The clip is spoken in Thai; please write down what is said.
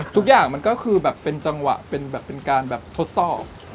ทุกอย่างมันก็คือเป็นจังหวะเป็นการทดสอบ